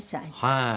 はい。